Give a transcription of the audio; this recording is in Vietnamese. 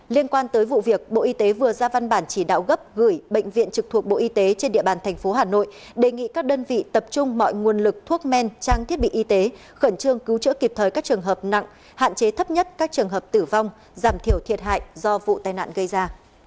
liên quan tới vụ việc bộ y tế vừa ra văn bản chỉ đạo gấp gửi bệnh viện trực thuộc bộ y tế trên địa bàn thành phố hà nội đề nghị các đơn vị tập trung mọi nguồn lực thuốc men trang thiết bị y tế khẩn trương cứu chữa kịp thời các trường hợp nặng hạn chế thấp nhất các trường hợp tử vong giảm thiểu thiệt hại do vụ tai nạn gây ra